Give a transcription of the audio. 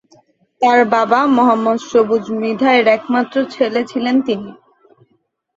তার বাবা মোহাম্মদ সবুজ মৃধা এর একমাত্র ছেলে ছিলেন তিনি।